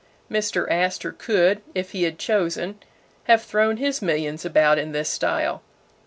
Mr. Astor could, if he had chosen, have thrown his millions about in this style.